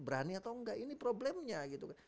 berani atau enggak ini problemnya gitu kan